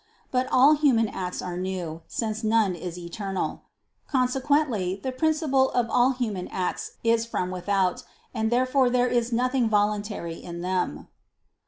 But all human acts are new, since none is eternal. Consequently, the principle of all human acts is from without: and therefore there is nothing voluntary in them.